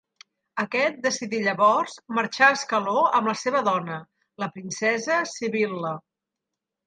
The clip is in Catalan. Aquest decidí llavors marxar a Ascaló amb la seva dona, la princesa Sibil·la.